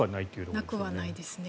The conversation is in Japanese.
なくはないですね。